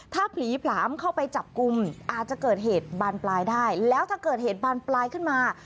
ถ้าผลีผลามเข้าไปจับกลุ่มอาจจะเกิดเหตุบานปลายได้แล้วถ้าเกิดเหตุบานปลายขึ้นมา